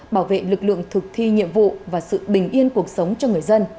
bảo vệ lực lượng thực thi nhiệm vụ và sự bình yên cuộc sống cho người dân